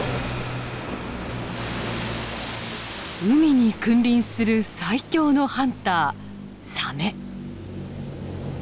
海に君臨する最強のハンターサメ。